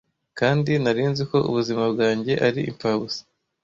Kandi nari nzi ko ubuzima bwanjye ari impfabusa.